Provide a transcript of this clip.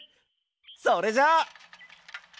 それじゃ！